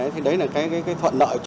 thế đấy là cái thuận lợi